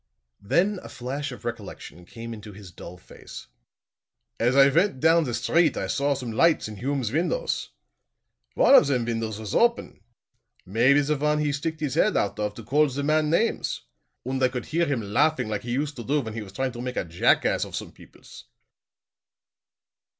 Then a flash of recollection came into his dull face. "As I went down the street I saw some lights in Hume's windows. One of them windows was open maybe the one he sticked his head out of to call the man names und I could hear him laughing like he used to do when he was trying to make a jackass of some peoples."